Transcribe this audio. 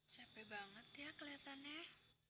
capek banget ya keliatannya